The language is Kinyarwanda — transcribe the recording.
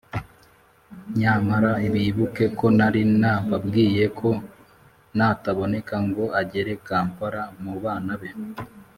nyamara bibuke ko nari nababwiye ko nataboneka ngo agere kampala mu bana be,